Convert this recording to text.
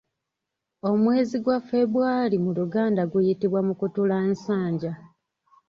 Omwezi gwa February mu luganda guyitibwa Mukutulansanja.